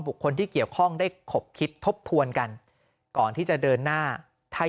บุคคลที่เกี่ยวข้องได้ขบคิดทบทวนกันก่อนที่จะเดินหน้าถ้า